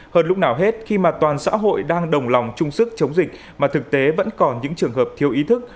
hơn lúc nào hết khi mà toàn xã hội đang đồng lòng chung sức chống dịch mà thực tế vẫn còn những trường hợp thiếu ý thức